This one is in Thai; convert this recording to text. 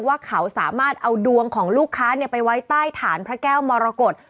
ว่าเขาสามารถเอาดวงของลูกค้าไปไว้ใต้ฐานพระแก้วมรกฏ